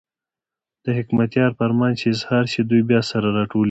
د حکمتیار فرمان چې اظهار شي، دوی بیا سره راټولېږي.